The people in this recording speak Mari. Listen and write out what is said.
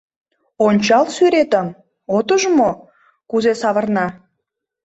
Ончал сӱретым, от уж мо, кузе савырна?